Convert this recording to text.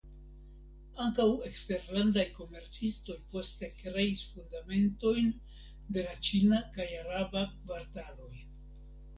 Ankaŭ eksterlandaj komercistoj poste kreis fundamentojn de la ĉina kaj araba kvartaloj.